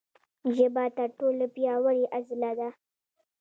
ژبه تر ټولو پیاوړې عضله ده.